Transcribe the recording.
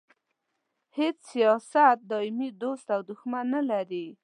هیڅ سیاست دایمي دوست او دوښمن نه لري.